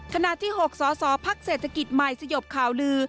ขณะที่๖สสพักเศรษฐกิจใหม่สยบข่าวลือ